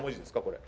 これ。